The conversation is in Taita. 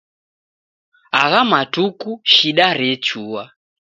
Agha matuku shida rechua.